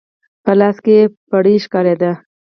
په لاس کې يې پړی ښکارېده.